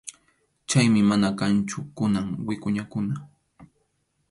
Chaymi mana kanchu kunan wikʼuñakuna.